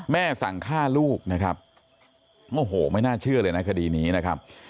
สั่งฆ่าลูกนะครับโอ้โหไม่น่าเชื่อเลยนะคดีนี้นะครับ